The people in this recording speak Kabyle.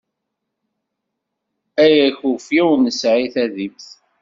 Ay akufi ur nesɛi tadimt!